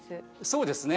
そうですね。